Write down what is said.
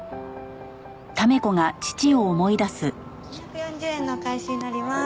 ２４０円のお返しになります。